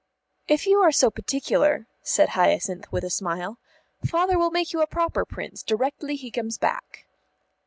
"If you are so particular," said Hyacinth, with a smile, "Father will make you a proper Prince directly he comes back."